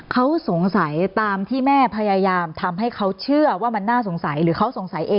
เขาสงสัยตามที่แม่พยายามทำให้เขาเชื่อว่ามันน่าสงสัยหรือเขาสงสัยเอง